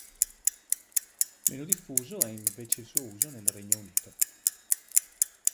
Meno diffuso è invece il suo uso nel Regno Unito.